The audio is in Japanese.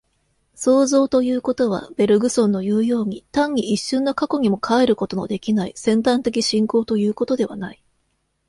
創造ということは、ベルグソンのいうように、単に一瞬の過去にも還ることのできない尖端的進行ということではない。